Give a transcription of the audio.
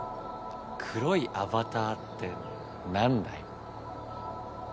「黒いアバター」って何だい？